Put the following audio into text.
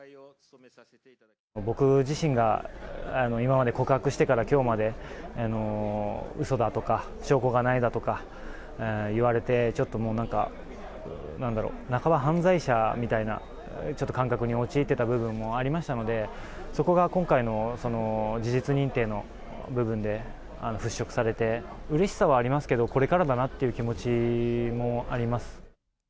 僕自身が、今まで、告白してからきょうまで、うそだとか、証拠がないだとか言われて、ちょっともうなんか、なんだろう、半ば犯罪者みたいな、ちょっと感覚に陥ってた部分もありましたんで、そこが今回の事実認定の部分で払拭されて、うれしさはありますけど、これからだなという気持ちもあります。